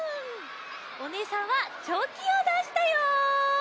おねえさんはチョキをだしたよ。